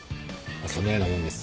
そんなようなもんです。